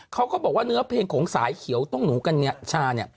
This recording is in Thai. เขาก็บอกว่าเนื้อเพลงของสายเขียวต้องหนูกัญชาเนี่ย